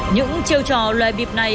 những chiêu trò lòe bịp này